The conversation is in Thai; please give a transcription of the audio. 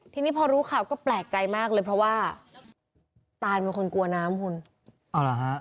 ทีนี้พอรู้ข่าวก็แปลกใจมากเลยเพราะว่าตานเป็นคนกลัวน้ำคุณเอาเหรอฮะ